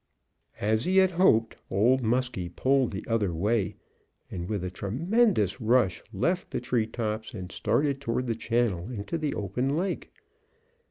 As he had hoped, Old Muskie pulled the other way, and with a tremendous rush, left the treetops, and started toward the channel into the open lake.